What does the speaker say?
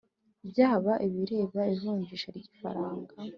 Byaba ibireba ivunjisha ry’ ifaranga